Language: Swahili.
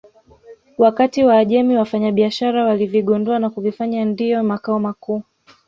Wakati Waajemi wafanyabiashara walivigundua na kuvifanya ndiyo makao makuu